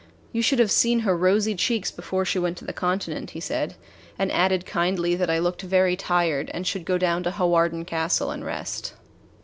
"You should have seen her rosy cheeks before she went to the Continent," he said, and added kindly that I looked very tired and should go down to Hawarden Castle and rest.